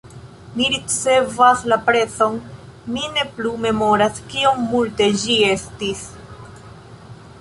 Ni ricevas la prezon, mi ne plu memoras kiom multe ĝi estis